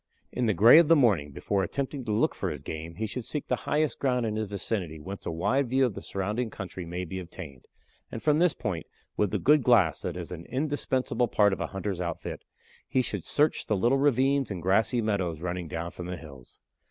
In the gray of the morning, before attempting to look for his game, he should seek the highest ground in his vicinity whence a wide view of the surrounding country may be obtained, and from this point, with the good glass that is an indispensable part of a hunter's outfit, he should search the little ravines and grassy meadows running down from the hills.